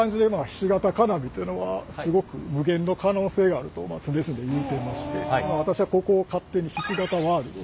ひし形金網というのはすごく無限の可能性があると常々言うてまして私はここを勝手にひし形ワールド。